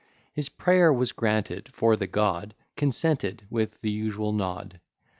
His prayer was granted, for the God Consented with the usual nod.